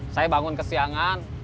saya bangun kesiangan